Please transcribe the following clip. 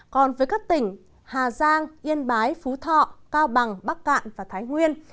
còn với các tỉnh hà giang yên bái phú thọ cao bằng bắc cạn và thái nguyên